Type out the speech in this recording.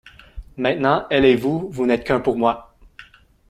Maintenant, elle et vous, vous n’êtes qu’un pour moi.